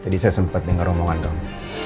tadi saya sempat dengar omongan dong